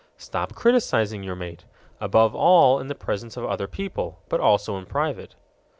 Stop criticizing your mate above all in the presence of other people, but also in private.